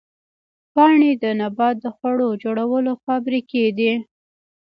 پاڼې د نبات د خوړو جوړولو فابریکې دي